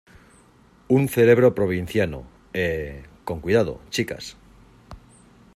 un cerebro provinciano... eh, con cuidado , chicas .